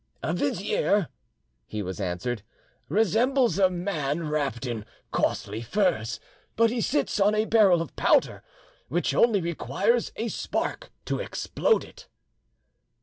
A vizier," he was answered, "resembles a man wrapped in costly furs, but he sits on a barrel of powder, which only requires a spark to explode it."